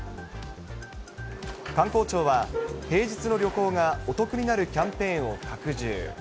観光庁は、平日の旅行がお得になるキャンペーンを拡充。